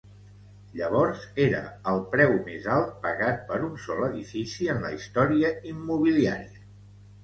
Llavors era el preu més alt pagat per un sol edifici en la història immobiliària.